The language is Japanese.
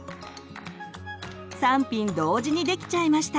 ３品同時にできちゃいました！